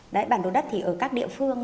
đấy bản đồ đất thì ở các địa phương